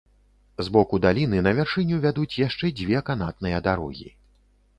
З боку даліны на вяршыню вядуць яшчэ дзве канатныя дарогі.